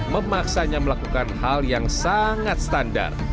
memaksanya melakukan hal yang sangat standar